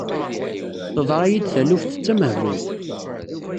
Teḍra-yi-d taluft d tamehbult.